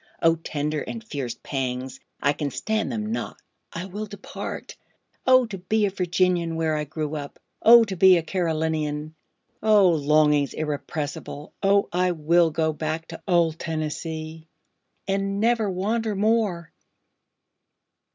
O tender and fierce pangs—I can stand them not—I will depart;O to be a Virginian, where I grew up! O to be a Carolinian!O longings irrepressible! O I will go back to old Tennessee, and never wander more!